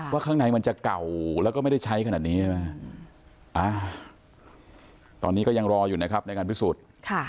ข้างในมันจะเก่าแล้วก็ไม่ได้ใช้ขนาดนี้ใช่ไหมตอนนี้ก็ยังรออยู่นะครับในการพิสูจน์